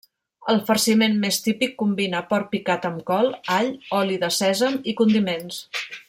El farciment més típic combina porc picat amb col, all, oli de sèsam, i condiments.